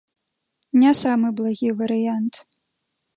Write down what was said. Не самы благі варыянт.